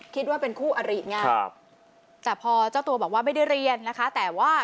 คิดว่าเป็นคู่อริไงครับแต่พอเจ้าตัวบอกว่าไม่ได้เรียนนะคะแต่ว่า